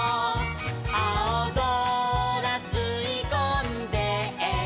「あおぞらすいこんで」